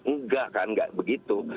enggak kan enggak begitu